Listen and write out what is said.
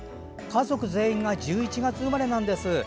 家族全員が１１月生まれなんです。